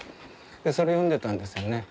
それ読んでたんですよね。